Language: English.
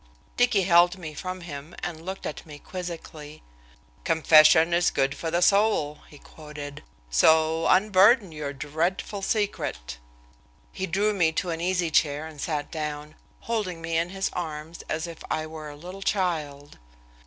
Dicky held me from him and looked at me quizzically, "'Confession is good for the soul,'" he quoted, "so unburden your dreadful secret." He drew me to an easy chair and sat down, holding me in his arms as if I were a little child.